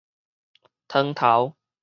湯頭